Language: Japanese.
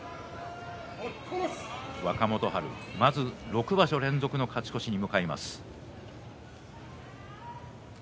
若元春まず６場所連続の勝ち越しに向かいます。